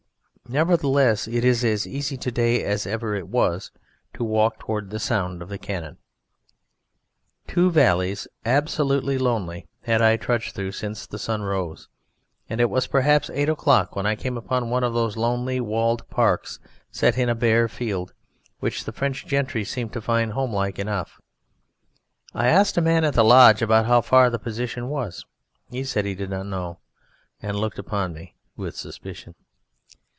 Nevertheless it is as easy to day as ever it was to walk towards the sound of cannon. Two valleys absolutely lonely had I trudged through since the sun rose, and it was perhaps eight o'clock when I came upon one of those lonely walled parks set in bare fields which the French gentry seem to find homelike enough. I asked a man at the lodge about how far the position was. He said he did not know, and looked upon me with suspicion.